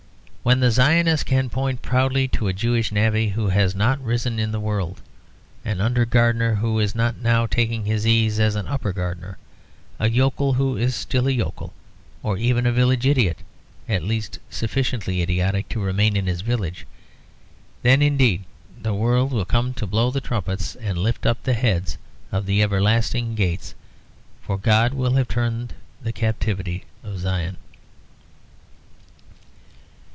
When the Zionist can point proudly to a Jewish navvy who has not risen in the world, an under gardener who is not now taking his ease as an upper gardener, a yokel who is still a yokel, or even a village idiot at least sufficiently idiotic to remain in his village, then indeed the world will come to blow the trumpets and lift up the heads of the everlasting gates; for God will have turned the captivity of Zion.